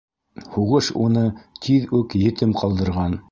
Һуғыш уны тиҙ үк етем ҡалдырған.